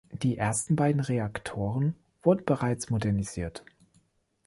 Die ersten beiden Reaktoren wurden bereits modernisiert.